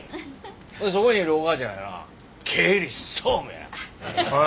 そこにいるお母ちゃんはな